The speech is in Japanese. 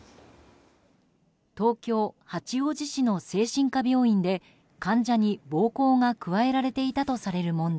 東京・八王子市の精神科病院で患者に暴行が加えられていたとされる問題。